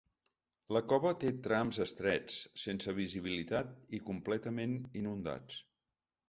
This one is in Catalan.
La cova té trams estrets, sense visibilitat i completament inundats.